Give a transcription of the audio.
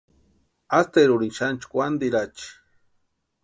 Asterurini xani chʼkwantirachi.